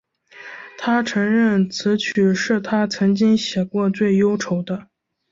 她承认此曲是她曾经写过最忧愁的。